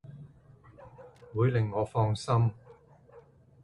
會令我放心